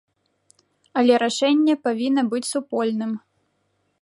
Але рашэнне павінна быць супольным.